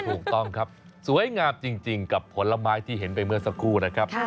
ถูกต้องครับสวยงามจริงกับผลไม้ที่เห็นไปเมื่อสักครู่นะครับ